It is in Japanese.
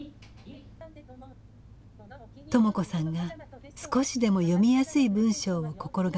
朋子さんが少しでも読みやすい文章を心がけました。